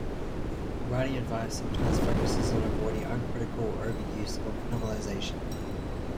Writing advice sometimes focuses on avoiding uncritical overuse of nominalization.